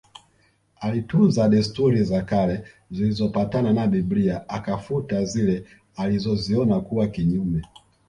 Alitunza desturi za kale zilizopatana na Biblia akafuta zile alizoziona kuwa kinyume